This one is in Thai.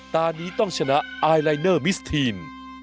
ตอนนี้ต้องชนะไอลายเนอร์มิสทีน